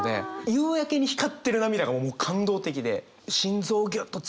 夕焼けに光ってる涙がもう感動的で。